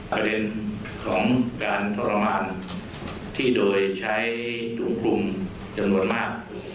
ประเด็นของการทรมานที่โดยใช้ถูกกลุ่มจำนวนมาก